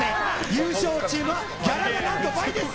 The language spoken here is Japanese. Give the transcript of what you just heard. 優勝チームはギャラが何と倍です。